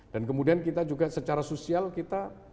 dan kemudian kita juga secara sosial kita